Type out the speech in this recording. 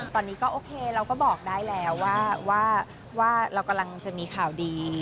ตอนนี้ก็โอเคเราก็บอกได้แล้วว่าเรากำลังจะมีข่าวดี